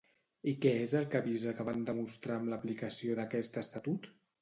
I què és el que avisa que van demostrar amb l'aplicació d'aquest estatut?